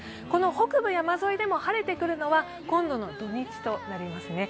この北部山沿いでも、晴れてくるのは今度の土日となります。